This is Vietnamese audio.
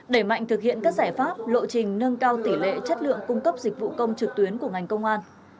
đẩy mạnh thực hiện các giải pháp lộ trình nâng cao tỷ lệ chất lượng cung cấp dịch vụ công trực tuyến của ngành công an